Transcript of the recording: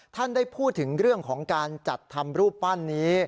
ท่านได้พูดถึงเรื่องของการจัดทำรูปปั้นนี้